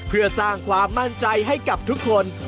เพื่อสร้างความมั่นใจให้กับทุกคน